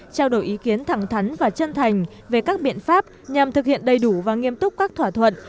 trao đổi ý kiến thẳng thắn và chân thành về các biện pháp nhằm thực hiện đầy đủ và nghiêm túc các thỏa thuận